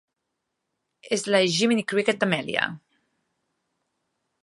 És la Jiminy Cricket d'Amelia.